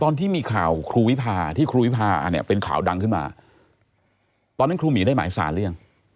ตอนที่มีข่าวครูวิพาที่ครูวิพาเนี่ยเป็นข่าวดังขึ้นมาตอนนั้นครูหมีได้หมายสารหรือยัง